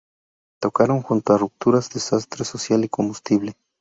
Tocaron junto a Rupturas, Desastre Social y Combustible.